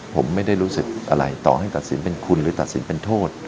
ผมไม่ได้รู้สึกอะไรต่อให้ตัดสินเป็นคุณหรือตัดสินเป็นโทษ